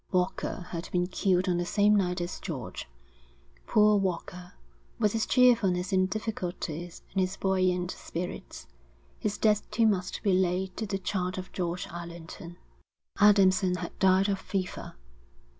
Walker had been killed on the same night as George, poor Walker with his cheerfulness in difficulties and his buoyant spirits: his death too must be laid to the charge of George Allerton; Adamson had died of fever.